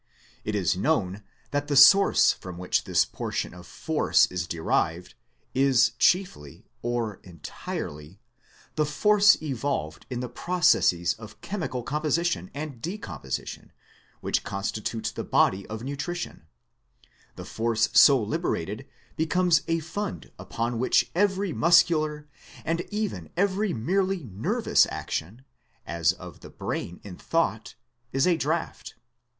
It is known that the source from which this portion of Force is derived, is chiefly, or entirely, the Force evolved in the processes of chemical composition and decomposition which constitute the body of nutrition : the force so liberated becomes a fund upon which every muscular and even every merely nervous action, as of the brain in thought, is a draft.